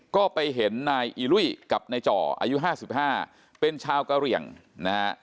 ก็ไปเห็นนายอีลุยกับนายจ่ออายุ๕๕เป็นชาวกะเหลี่ยงนะฮะ